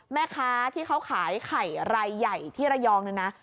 แม่ค้าที่เขาขายไข่รายใหญ่ที่ระยองเนี่ยนะ